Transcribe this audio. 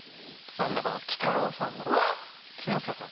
真ん中の木多郎さんの木下さん